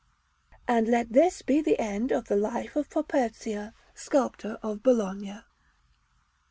And let this be the end of the Life of Properzia, sculptor of Bologna.